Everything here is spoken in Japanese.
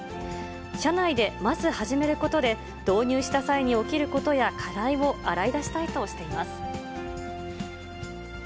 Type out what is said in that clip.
社内でまず始めることで、導入した際に起きることや課題も洗い出したいとしています。